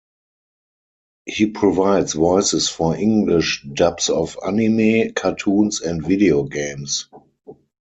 He provides voices for English dubs of anime, cartoons, and video games.